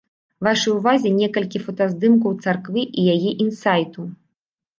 Вашай увазе некалькі фотаздымкаў царквы і яе інсайту.